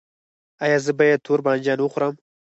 ایا زه باید تور بانجان وخورم؟